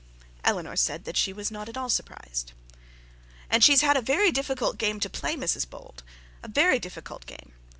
Eleanor said that she was not at all surprised. 'And she has had a very difficult game to play, Mrs Bold a very difficult game.